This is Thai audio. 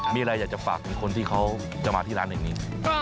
มีอะไรอยากจะฝากถึงคนที่เขาจะมาที่ร้านแห่งนี้